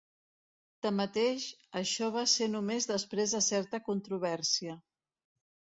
Tanmateix, això va ser només després de certa controvèrsia.